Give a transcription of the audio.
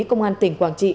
công an tỉnh quảng trị